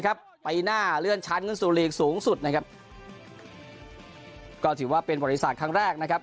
ปีหน้าเลื่อนชั้นขึ้นสู่ลีกสูงสุดนะครับก็ถือว่าเป็นบริษัทครั้งแรกนะครับ